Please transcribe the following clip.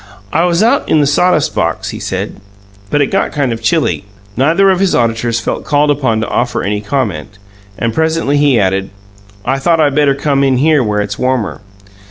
"I was out in the sawdust box," he said, "but it got kind of chilly." Neither of his auditors felt called upon to offer any comment, and presently he added, "I thought I better come in here where it's warmer."